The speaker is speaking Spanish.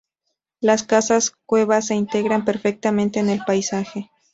Las casas-cueva se integran perfectamente en el paisaje.